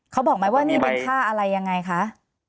เขาบอกไหมว่านี่เป็นค่าอะไรยังไงคะ